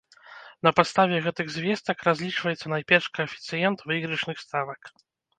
На падставе гэтых звестак разлічваецца найперш каэфіцыент выйгрышных ставак.